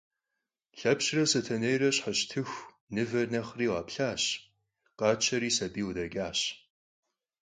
Lhepşre Setenêyre şheşıtıxu, mıver nexhri kheplhaş, khaçeri sabiy khıdeç'aş.